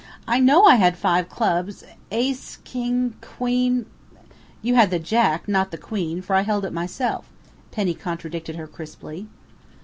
"I know I had five Clubs Ace, King, Queen " "You had the Jack, not the Queen, for I held it myself," Penny contradicted her crisply.